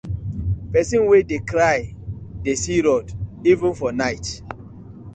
Pesin wey dey cry dey see road even for night.